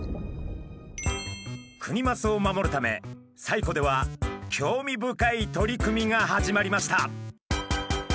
クニマスを守るため西湖では興味深い取り組みが始まりました。